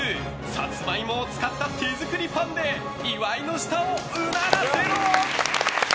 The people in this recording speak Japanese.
サツマイモを使った手作りパンで岩井の舌をうならせろ！